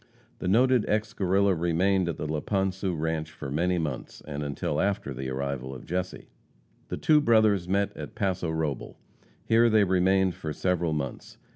The noted ex Guerrilla remained at the Laponsu ranche for many months, and until after the arrival of Jesse. The two brothers met at Paso Robel. Here they remained for several months.